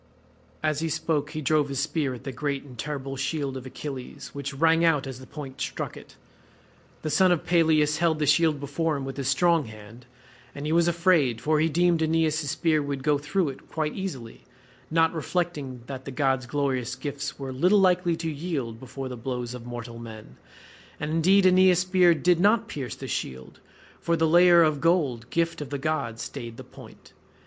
As he spoke he drove his spear at the great and terrible shield of Achilles, which rang out as the point struck it. The son of Peleus held the shield before him with his strong hand, and he was afraid, for he deemed that Aeneas's spear would go through it quite easily, not reflecting that the god's glorious gifts were little likely to yield before the blows of mortal men; and indeed Aeneas's spear did not pierce the shield, for the layer of gold, gift of the god, stayed the point.